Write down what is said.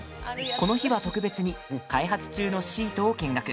この日は、特別に開発中のシートを見学。